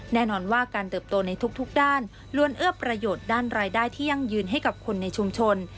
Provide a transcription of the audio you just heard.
แน่นอนว่าการเติบโตในทุกด้านล้วนเอื้อประโยชน์ด้านรายได้ที่ยั่งยืนให้กับคนในชุมชน